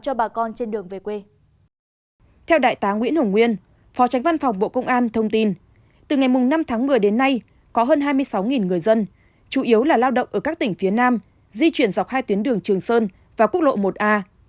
tòa tránh văn phòng bộ công an thông tin từ ngày năm tháng một mươi đến nay có hơn hai mươi sáu người dân chủ yếu là lao động ở các tỉnh phía nam di chuyển dọc hai tuyến đường trường sơn và quốc lộ một a